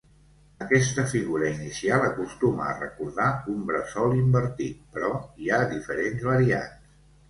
Aquesta figura inicial acostuma a recordar un bressol invertit, però hi ha diferents variants.